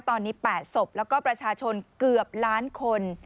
ตอนนี้๘ศพแล้วก็ประชาชนเกือบล้านคน